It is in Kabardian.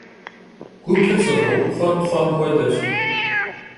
Gupır zığeukxhuer kxhuem xuedeş.